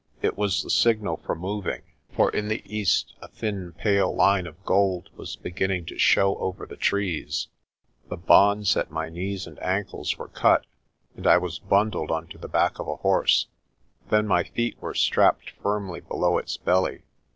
It was the signal for moving, for in the east a thin pale line of gold was beginning to show over the trees. The bonds at my knees and ankles were cut, and I was bundled 148 PRESTER JOHN on to the back of a horse. Then my feet were strapped firmly below its belly.